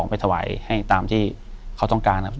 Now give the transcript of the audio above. อยู่ที่แม่ศรีวิรัยิลครับ